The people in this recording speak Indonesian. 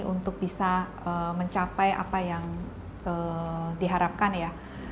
untuk bisa mencapai apa yang diharapkan ya